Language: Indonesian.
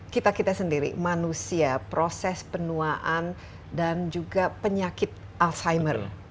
kita kita sendiri manusia proses penuaan dan juga penyakit alzheimer